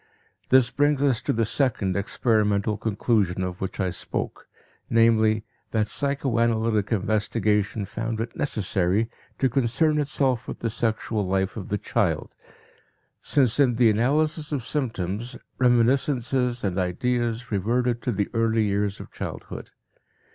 This brings us to the second experimental conclusion of which I spoke, namely, that psychoanalytic investigation found it necessary to concern itself with the sexual life of the child, since, in the analysis of symptoms, reminiscences and ideas reverted to the early years of childhood.